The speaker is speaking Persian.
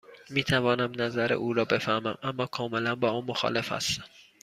می توانم نظر او را بفهمم، اما کاملا با آن مخالف هستم.